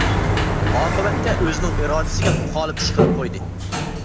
ئاقىۋەتتە ئۆزىنىڭ ئىرادىسىگە مۇخالىپ ئىش قىلىپ قويدى.